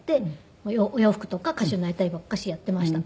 お洋服とか歌手になりたいばっかりやっていました。